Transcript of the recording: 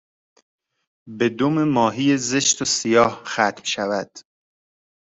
به دم ماهی زشت و سیاه ختم شود